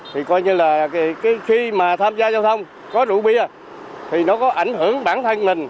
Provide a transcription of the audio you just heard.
thì coi như là khi mà tham gia giao thông có rượu bia thì nó có ảnh hưởng bản thân mình